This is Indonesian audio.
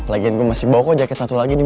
lagian gue masih bawa kok jaket satu lagi nih